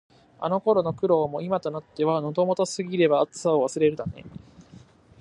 あの時の苦労も、今となっては「喉元過ぎれば熱さを忘れる」だね。